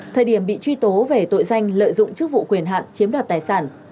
thời điểm bị truy tố về tội danh lợi dụng chức vụ quyền hạn chiếm đoạt tài sản